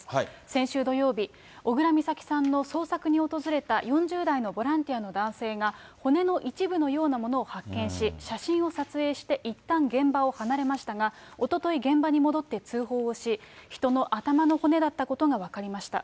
先週土曜日、小倉美咲さんの捜索に訪れた４０代のボランティアの男性が、骨の一部のようなものを発見し、写真を撮影していったん現場を離れましたが、おととい、現場に戻って通報をし、人の頭の骨だったことが分かりました。